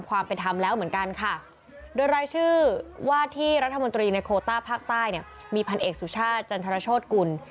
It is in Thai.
ว่าที่รัฐมนตรีในโคต้าภาคใต้มีพันธุ์เอกสุชาติจันทรโชษกุล